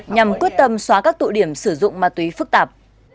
nhằm quyết tâm xóa các tụ điểm sử dụng ma túy phức tạp